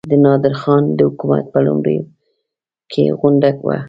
د نادرخان د حکومت په لومړیو کې غونډه وه.